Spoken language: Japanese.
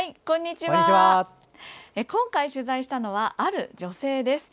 今回、取材したのはある女性です。